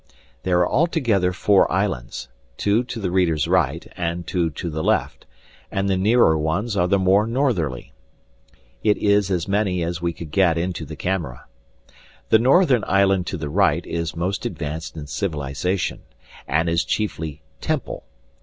There are altogether four islands, two to the reader's right and two to the left, and the nearer ones are the more northerly; it is as many as we could get into the camera. The northern island to the right is most advanced in civilization, and is chiefly temple.